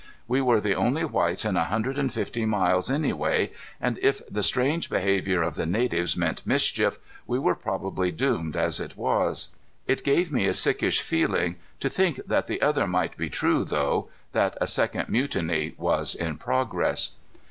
We were the only whites in a hundred and fifty miles anyway, and if the strange behavior of the natives meant mischief, we were probably doomed as it was. It gave me a sickish feeling to think that the other might be true, though, that a second mutiny was in progress.